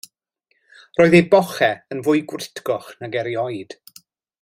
Roedd ei bochau yn fwy gwritgoch nag erioed.